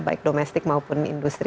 baik domestik maupun industri